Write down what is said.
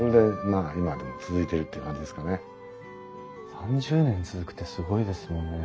３０年続くってすごいですもんね。